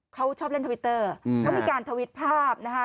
เขาชอบเล่นทวิตเตอร์เขามีการทวิตภาพนะคะ